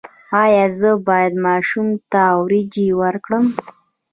ایا زه باید ماشوم ته وریجې ورکړم؟